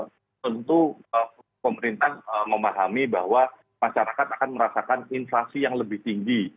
tentu pemerintah memahami bahwa masyarakat akan merasakan inflasi yang lebih tinggi